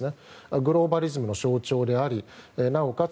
グローバリズムの象徴でありなおかつ